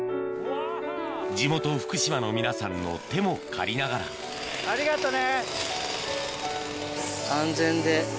地元福島の皆さんの手も借りながらありがとね。